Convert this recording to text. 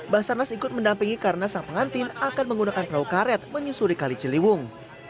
basarnas ikut mendampingi karena sang pengantin akan menggunakan perahu karet menyusuri kali ciliwung